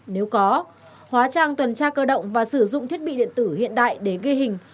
nếu có hóa trang tuần tra cơ động và sử dụng thiết bị điện tử hiện đại để ghi hình